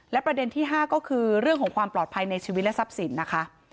และประเด็นที่๕ก็คือเรื่องของความปลอดภัยในชีวิตและทรัพย์สินนะคะ